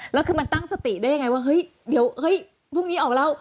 แล้วคือมันตั้งสติได้ยังไงว่าเฮ้ยเดี๋ยวเฮ้ยพรุ่งนี้ออกแล้ว